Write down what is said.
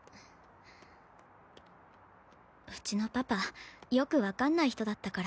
うちのパパよく分かんない人だったから。